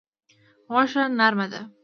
غوښه نرمه ده.